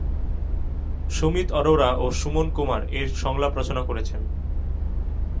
সুমিত অরোরা ও সুমন কুমার এর সংলাপ রচনা করেছেন।